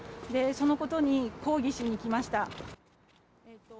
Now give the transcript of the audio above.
そのことに抗議しに来ました。